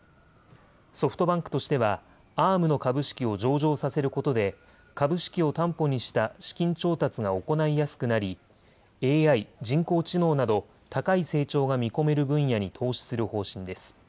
ソフトバンクとしてはＡｒｍの株式を上場させることで株式を担保にした資金調達が行いやすくなりＡＩ・人工知能など高い成長が見込める分野に投資する方針です。